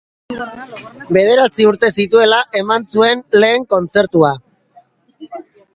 Bederatzi urte zituela eman zuen bere lehen kontzertua.